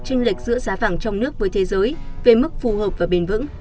tranh lệch giữa giá vàng trong nước với thế giới về mức phù hợp và bền vững